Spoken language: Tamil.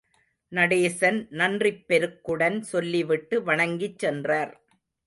நடேசன் நன்றிப்பெருக்குடன் சொல்லிவிட்டு வணங்கிச் சென்றார்.